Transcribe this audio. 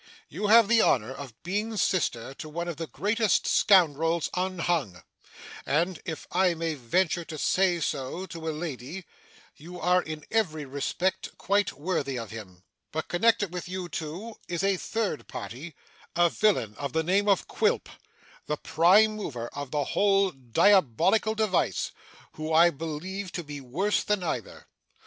You have the honour of being sister to one of the greatest scoundrels unhung; and, if I may venture to say so to a lady, you are in every respect quite worthy of him. But connected with you two is a third party, a villain of the name of Quilp, the prime mover of the whole diabolical device, who I believe to be worse than either.